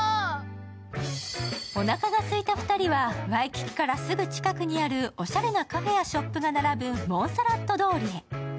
おなかがすいた２人はワイキキからすぐ近くにあるおしゃれなカフェやショップが並ぶモンサラット通りへ。